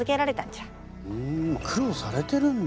ふん苦労されてるんだ